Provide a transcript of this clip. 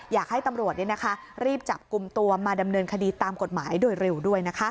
อยากให้ตำรวจรีบจับกลุ่มตัวมาดำเนินคดีตามกฎหมายโดยเร็วด้วยนะคะ